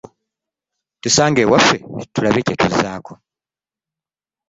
Tusange ewaffe tulabe kye tuzzaako.